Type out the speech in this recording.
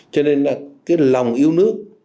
cho nên là cái lòng yêu nước